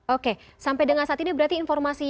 oke sampai dengan saat ini berarti informasi